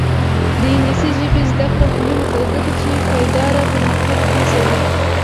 د انګلیسي ژبې زده کړه مهمه ده ځکه چې پایداره پرمختګ هڅوي.